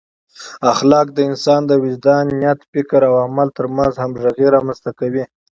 اخلاق د انسان د وجدان، نیت، فکر او عمل ترمنځ همغږۍ رامنځته کوي.